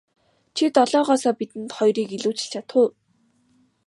Чи долоогоосоо бидэнд хоёрыг илүүчилж чадах уу.